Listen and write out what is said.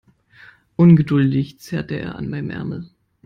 Ungeduldig zerrte er an meinem Ärmel.